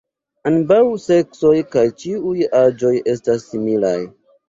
Ambaŭ seksoj kaj ĉiuj aĝoj estas similaj.